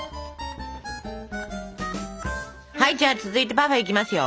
はいじゃあ続いてパフェいきますよ！